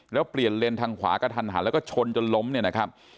แล้วเปลี่ยนเลนทางขวากระทันหันแล้วก็ชนจนล้มเนี่ยนะครับ